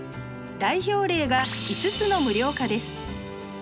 代表例が５つの無料化です。